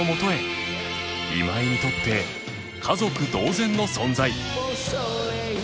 今井にとって家族同然の存在